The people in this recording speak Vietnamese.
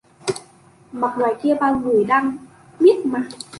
Mặc ngoài kia bao người đang miết mải